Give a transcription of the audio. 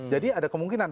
jadi ada kemungkinan